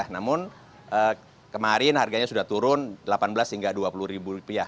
namun kemarin harganya sudah turun rp delapan belas hingga rp dua puluh